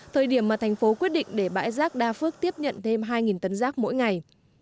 thời điểm mà thành phố quyết định để bãi rác đa phước tiếp nhận thêm hai tấn rác mỗi ngày